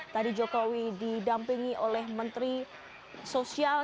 tadi jokowi didampingi oleh menteri sosial